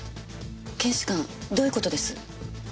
検視官どういう事です？